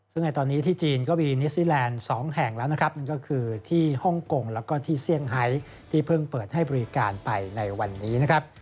ซึ่งในตอนนี้ที่จีนก็มีนิสซีแลนด์๒แห่งแล้วนะครับนั่นก็คือที่ฮ่องกงแล้วก็ที่เซี่ยงไฮที่เพิ่งเปิดให้บริการไปในวันนี้นะครับ